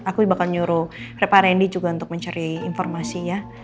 aku bakal nyuruh reppanendi juga untuk mencari informasinya